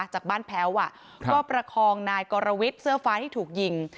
จากบ้านแพ้วก็ประคองนายกรวิทย์เสื้อฟ้าที่ถูกยิง